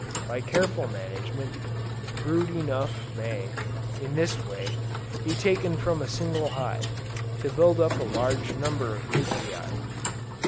By careful management, brood enough may, in this way, be taken from a single hive, to build up a large number of nuclei.